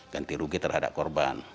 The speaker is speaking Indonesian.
ganti rugi terhadap korban